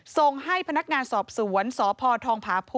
ทรงให้พนักงานสอบสวนสพพพ